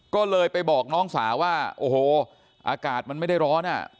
ก็เลยไปบอกน้องสาวว่าโอ้โหอากาศมันไม่ได้ร้อนอ่ะ